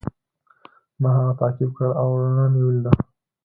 ما هغه تعقیب کړ او رڼا مې ولیده.